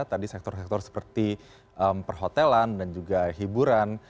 tadi sektor sektor seperti perhotelan dan juga hiburan